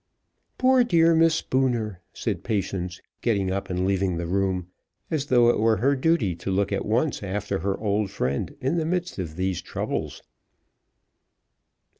"Poor dear Miss Spooner," said Patience, getting up and leaving the room as though it were her duty to look at once after her old friend in the midst of these troubles.